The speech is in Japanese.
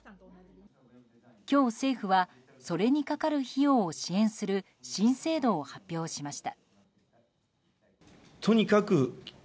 今日、政府はそれにかかる費用を支援する新制度を発表しました。